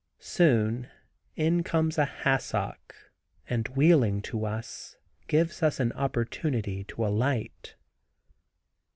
Soon in comes a hassock and wheeling to us, gives us an opportunity to alight.